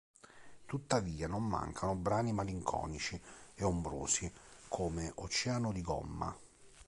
Tuttavia, non mancano brani malinconici e ombrosi, come "Oceano di gomma".